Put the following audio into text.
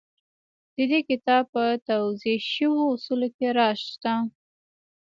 د دې کتاب په توضيح شويو اصولو کې راز شته.